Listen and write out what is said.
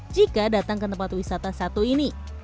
jika datang ke tempat wisata satu ini